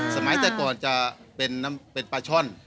สมัยแต่ก่อนจะเป็นน้ำเป็นปลาช่อน